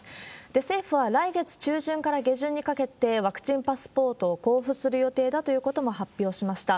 政府は来月中旬から下旬にかけて、ワクチンパスポートを交付する予定だということも発表しました。